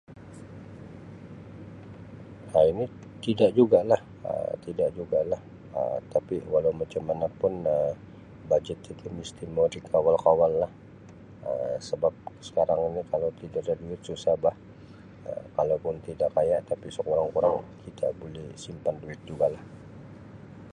Um Ini tidak jugalah, Um tapi walau macam mana pun Um bajet itu mesti mau dikawal-kawal lah Um sebab sekarang ini kalau tida ada duit susah bah. Um Kalaupun tida kaya tapi sekurang-kurang kita buleh simpan duit juga lah.